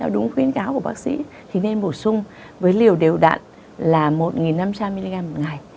đúng khuyến cáo của bác sĩ thì nên bổ sung với liều đều đạn là một năm trăm linh mg một ngày